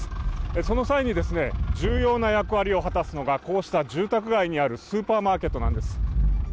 その際に重要な役割を果たすのがこうした住宅街にあるスーパーマーケットなんです。